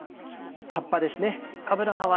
葉っぱですね。